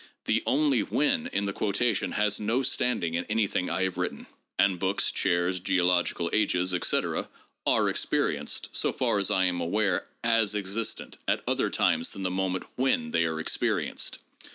The " only when " in the quotation has no standing in anything I have written. And books, chairs, geological ages, etc., are experienced, so far as I am aware, as existent at other times than the moments when they are experienced.